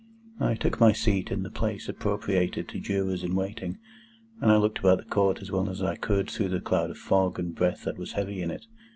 I took my seat in the place appropriated to Jurors in waiting, and I looked about the Court as well as I could through the cloud of fog and breath that was heavy in it.